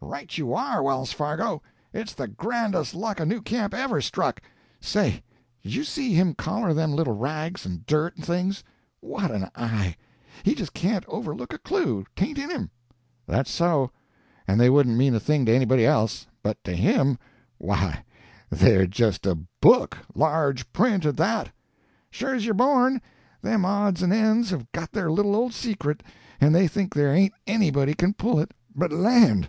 "Right you are, Wells Fargo! It's the grandest luck a new camp ever struck. Say, did you see him collar them little rags and dirt and things? What an eye! He just can't overlook a clue 'tain't in him." "That's so. And they wouldn't mean a thing to anybody else; but to him, why, they're just a book large print at that." "Sure's you're born! Them odds and ends have got their little old secret, and they think there ain't anybody can pull it; but, land!